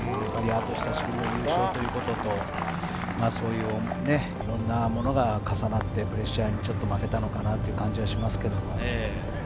久しぶりの優勝ということと、いろいろなものが重なってプレッシャーに負けたのかなという感じがします。